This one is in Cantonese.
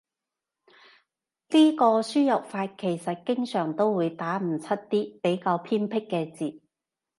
呢個輸入法其實經常都會打唔出啲比較偏僻嘅字